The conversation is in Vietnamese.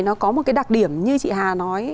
nó có một đặc điểm như chị hà nói